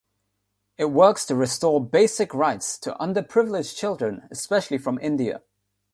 It works to restore basic rights to underprivileged children, especially from India.